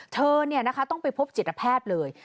เธอนี่นะคะต้องไปพบจิตแพทย์เลย